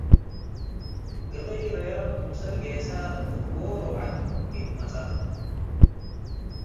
ገበይ ረያም ክምሰል ጌሰ እት ዎሮ ዐድ መጽአ።